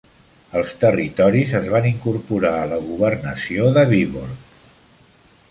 Els territoris es van incorporar a la governació de Vyborg.